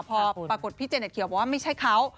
พอปรากฏพี่เจเน็ตเขียวบอกว่าไม่ใช่เขา